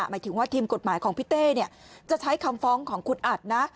หมายถึงว่าทีมกฎหมายของพี่เต้จะใช้คำฟ้องของคุณอัดนะ